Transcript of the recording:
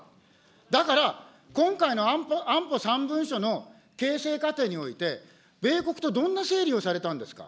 だから、今回の安保３文書の形成過程において、米国とどんな整理をされたんですか。